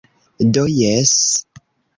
Do jes...